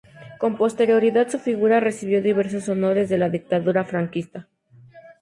Con posterioridad su figura recibió diversos honores de la Dictadura franquista.